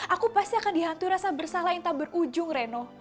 aku pasti akan dihantui rasa bersalah yang tak berujung reno